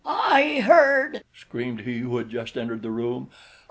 "I heard," screamed he who had just entered the room.